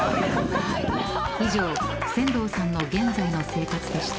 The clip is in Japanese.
［以上千堂さんの現在の生活でした］